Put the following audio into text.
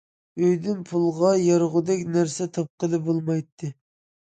ئۆيدىن پۇلغا يارىغۇدەك نەرسە تاپقىلى بولمايتتى.